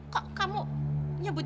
kok kamu nyebut nyebut